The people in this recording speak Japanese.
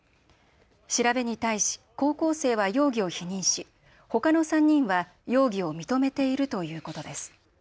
調べに対し高校生は容疑を否認しほかの３人は容疑を認めているということです。